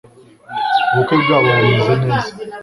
ubukwe bwabo bumeze neza